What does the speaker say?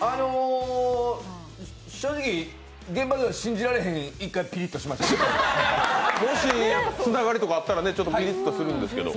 正直、現場では信じられへんピリッとしました。もしつながりとかあったらちょっとピリッとするんですけど。